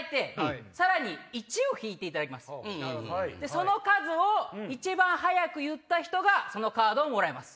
その数を一番早く言った人がそのカードをもらえます。